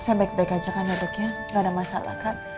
saya baik baik aja kan dok ya gak ada masalah kan